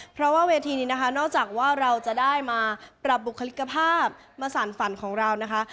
เพราะว่าเวทีนี้นะคะนอกจากว่าเราจะได้มาปรับบุคลิกภาพมาสารฝันของเรานะคะ